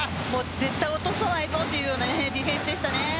絶対落とさないぞというディフェンスでしたね。